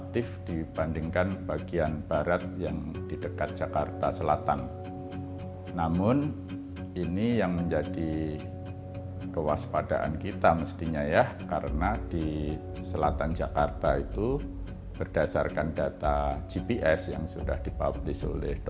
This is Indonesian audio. terima kasih terima kasih